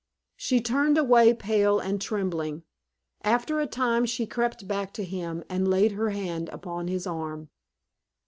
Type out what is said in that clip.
She turned away pale and trembling. After a time she crept back to him and laid her hand upon his arm.